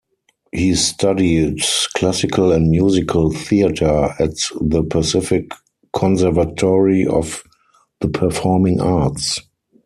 He studied classical and musical theater at the Pacific Conservatory of the Performing Arts.